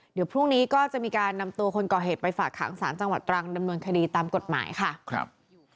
เดี๋ยวพรุ่งนี้ก็จะมีการนำตัวคนก่อเหตุไปฝากขังสารจังหวัดตรังดำเนินคดีตามกฎหมายค่ะครับ